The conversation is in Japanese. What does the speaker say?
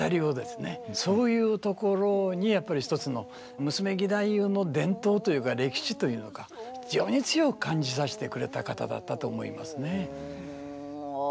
そういうところにやっぱり一つの娘義太夫の伝統というか歴史というのか非常に強く感じさせてくれた方だったと思いますね。